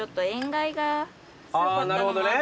なるほどね。